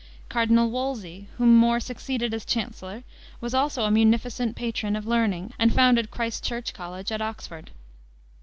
Cardinal Wolsey, whom More succeeded as chancellor, was also a munificent patron of learning and founded Christ Church College, at Oxford.